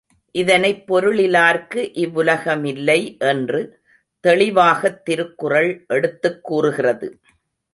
இதனைப் பொருளில்லார்க்கு இவ்வுலகமில்லை என்று தெளிவாகத் திருக்குறள் எடுத்துக் கூறுகிறது.